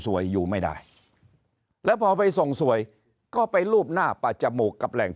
อยู่ไม่ได้แล้วพอไปส่งสวยก็ไปรูปหน้าป่าจมูกกับแหล่ง